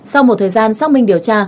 sau một thời gian xác minh điều tra